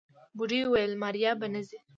بوډۍ وويل ماريا به نه ځي.